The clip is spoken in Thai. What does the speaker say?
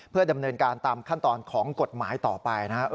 เพื่อดำเนินการตามขั้นตอนของกฎหมายต่อไปนะครับ